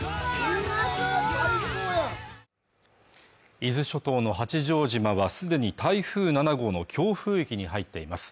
伊豆諸島の八丈島はすでに台風７号の強風域に入っています